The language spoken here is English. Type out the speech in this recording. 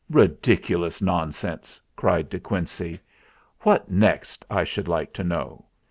"Ridiculous nonsense!" cried De Quincey. "What next, I should like to know?